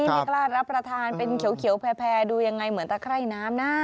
ไม่กล้ารับประทานเป็นเขียวแพร่ดูยังไงเหมือนตะไคร่น้ำนะ